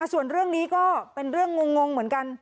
ส่วนเรื่องนี้ก็เป็นเรื่องงงเหมือนกัน